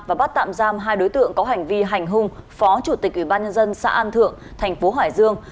và bắt tạm giam hai đối tượng có hành vi hành hung phó chủ tịch ubnd xã an thượng thành phố hải dương